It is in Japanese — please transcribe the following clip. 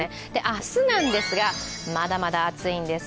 明日なんですが、まだまだ暑いんです。